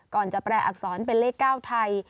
ก่อนจะแปลอักษรเป็นเลข๙ไทย